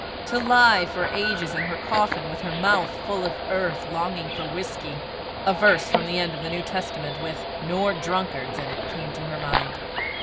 To lie for ages in her coffin, with her mouth full of earth, longing for whisky! A verse from the end of the New Testament with "nor drunkards" in it, came to her mind.